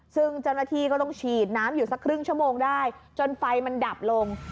ซึ่งเจ้าหน้าที่ก็ต้องฉีดน้ำอยู่สักครึ่งชั่วโมงได้จนไฟมันดับลง